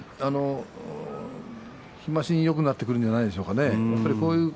日増しによくなってくるんじゃないでしょうかね。